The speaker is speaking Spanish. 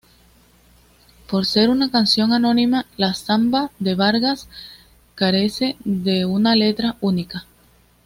Por ser una canción anónima, la "Zamba de Vargas" carece de una letra única.